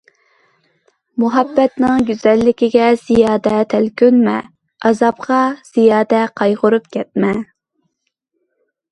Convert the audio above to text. مۇھەببەتنىڭ گۈزەللىكىگە زىيادە تەلپۈنمە، ئازابىغا زىيادە قايغۇرۇپ كەتمە.